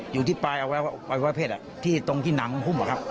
อยู่ที่ปลายอวัยไว้เพศที่ตรงที่น้ำหุ้มหรือครับ